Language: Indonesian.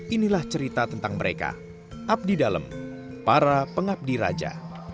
inilah cerita tentang mereka abdi dalam para pengabdi raja